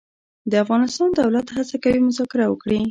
د افغانستان دولت هڅه کوي مذاکره وکړي.